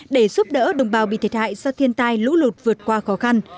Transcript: để giúp đỡ đồng bào bị thiệt hại do thiên tai lũ lụt vượt qua khó khăn